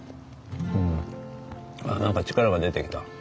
あっ何か力が出てきた。